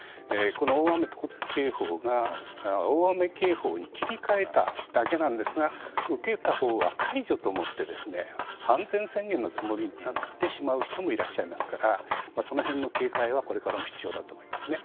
大雨特別警報が、大雨警報に切り替わっただけなんですが受けたほうは解除と思って安全宣言のつもりになってしまう人もいますからその辺の警戒はこれからも必要だと思いますね。